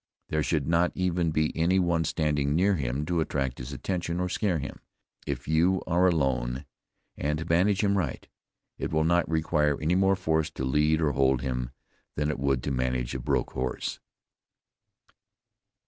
There should not even be any one standing near him to attract his attention, or scare him. If you are alone, and manage him right, it will not require any more force to lead or hold him than it would to manage a broke horse.